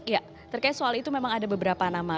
ya terkait soal itu memang ada beberapa nama